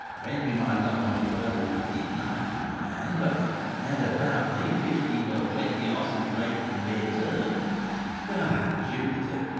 When, with my large and well whetted knife in my hand, I had about me fifteen or twenty horses waiting their turn, by Jupiter!